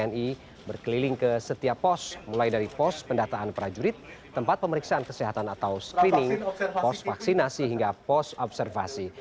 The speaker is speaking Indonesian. tni berkeliling ke setiap pos mulai dari pos pendataan prajurit tempat pemeriksaan kesehatan atau screening pos vaksinasi hingga pos observasi